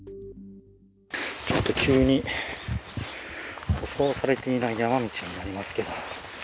ちょっと急に舗装されていない山道になりますけど。